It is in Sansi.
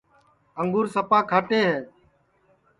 انگور سپا کھاٹے ہے